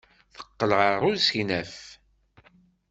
Teqqel ɣer usegnaf.